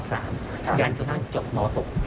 แล้วก็นั่งจบมตุ๊ก